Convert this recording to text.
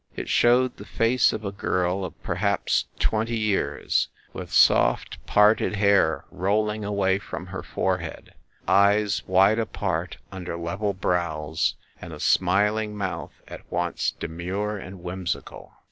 It showed the face of a girl of perhaps twenty years, with soft, parted hair rolling away from her forehead, eyes wide apart under level brows and a smiling mouth at once de mure and whimsical.